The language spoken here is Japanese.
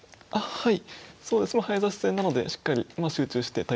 はい。